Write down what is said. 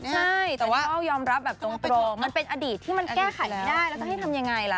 ใช่แต่ว่าก็ยอมรับแบบตรงมันเป็นอดีตที่มันแก้ไขไม่ได้แล้วจะให้ทำยังไงล่ะ